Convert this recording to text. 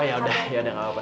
oh yaudah yaudah gapapa